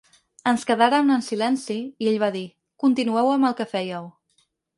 Ens quedàrem en silenci i ell va dir: "Continueu amb el que fèieu".